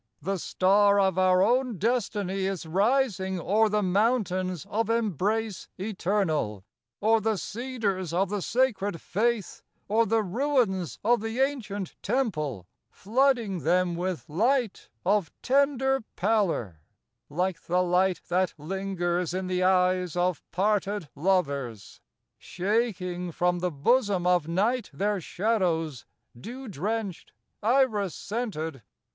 The star of our own destiny is rising O'er the mountains of embrace eternal, O'er the cedars of the sacred faith, O'er the ruins of the ancient temple, Flooding them with light of tender pallor Like the light that lingers in the eyes Of parted lovers,—shaking from the bosom Of night their shadows, dew drenched, iris scented.